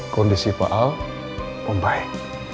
kondisi paal membaik